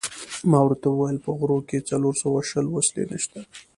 ما ورته وویل: په غرو کې څلور سوه شل وسلې نشته.